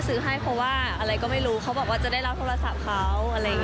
สือให้เพราะว่าอะไรก็ไม่รู้เขาบอกว่าจะได้รับโทรศัพท์เขา